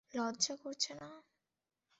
লজ্জা করছে না?